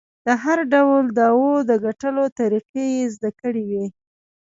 د هر ډول دعوو د ګټلو طریقې یې زده کړې وې.